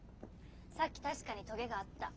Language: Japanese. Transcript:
さっき確かにトゲがあった。